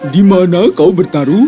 di mana kau bertaruh